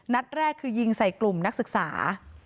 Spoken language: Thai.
นัดแรกคือยิงใส่กลุ่มนักศึกษา